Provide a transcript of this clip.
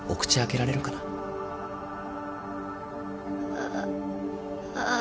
あああああ。